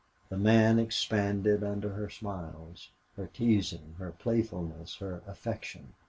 The man expanded under her smiles, her teasing, her playfulness, her affection.